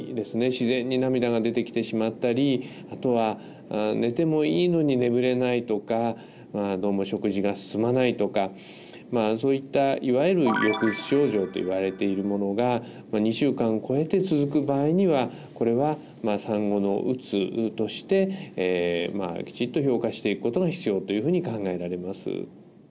自然に涙が出てきてしまったりあとは寝てもいいのに眠れないとかどうも食事が進まないとかそういったいわゆる抑うつ症状といわれているものが２週間こえて続く場合にはこれは産後のうつとしてきちっと評価していくことが必要というふうに考えられます。